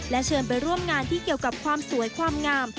เชิญไปร่วมงานที่เกี่ยวกับความสวยความงาม